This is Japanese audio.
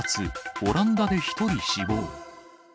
オランダで１人死亡。